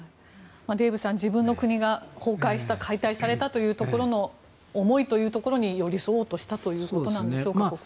デーブさん、自分の国が崩壊した、解体されたというところの思いというところに寄り添おうとしたということなんでしょうか。